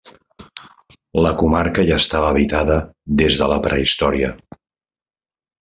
La comarca ja estava habitada des de la prehistòria.